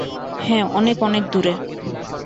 হ্যাঁ, অনেক অনেক দূরে।